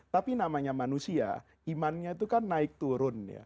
tapi namanya manusia imannya itu kan naik turun ya